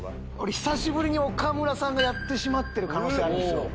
久しぶりに岡村さんがやってる可能性あるんですよ。